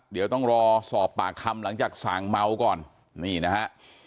เดี๋ยวต้องรอสอบปากคำหลังจากสั่งเมาก่อนนี่นะฮะ